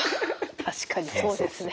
確かにそうですね。